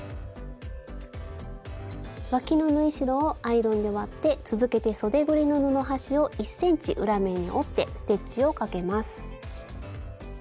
わきの縫い代をアイロンで割って続けてそでぐりの布端を１ｃｍ裏面に折ってステッチをかけます。